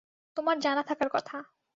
তোমার জানা থাকার কথা।